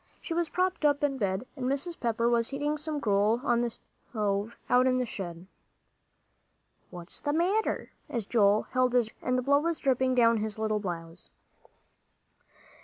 She was propped up in bed, and Mrs. Pepper was heating some gruel on the stove out in the shed. "What's the matter?" as Joel held his arm out, and the blood was dripping down his little blouse.